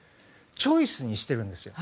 チョイスにしてるんです。